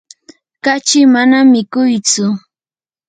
kachi manam mikuytsu.